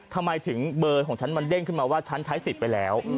ทำไมถึงเบอร์ของฉันมันเด้งขึ้นมาว่าฉันใช้สิทธิ์ไปแล้ว